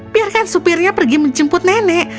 biarkan supirnya pergi menjemput nenek